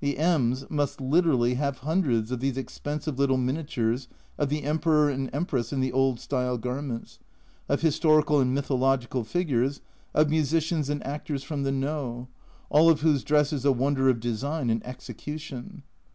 The Mj .$ must literally have hundreds of these expensive little miniatures of the Emperor and Empress in the old style garments, of historical and mythological figures, of musicians and actors from the No all of whose dress is a wonder of design and execution.